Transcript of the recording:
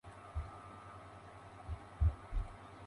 Juega como defensa, y su club actual es el "Platense".